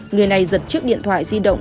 người này giật chiếc điện thoại di động